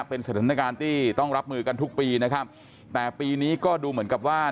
เป็นสถานการณ์ที่ต้องรับมือกันทุกปีนะครับแต่ปีนี้ก็ดูเหมือนกับว่า